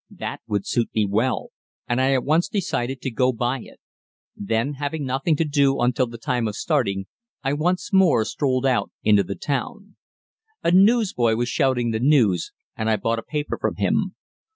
That would suit me well, and I at once decided to go by it. Then, having nothing to do until the time of starting, I once more strolled out into the town. A newsboy was shouting the news, and I bought a paper from him.